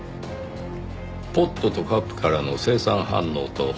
ポットとカップからの青酸反応と本人の指紋。